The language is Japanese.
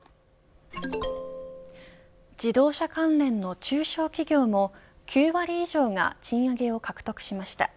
自動車関連の中小企業も９割以上が賃上げを獲得しました。